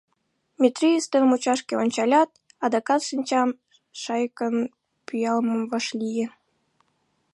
— Метрий ӱстел мучашке ончалят, адакат шинчам шайыкын пӱялмым вашлие.